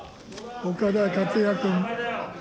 岡田克也君。